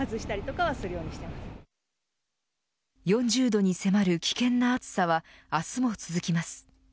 ４０度に迫る危険な暑さは明日も続きます。